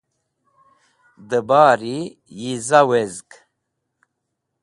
da bari yi za wezg